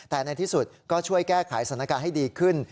แต่ในที่สุดก็ช่วยแก้ไขสถานการณ์ให้ดีขึ้น